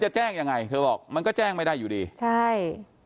จะแจ้งยังไงเธอบอกมันก็แจ้งไม่ได้อยู่ดีใช่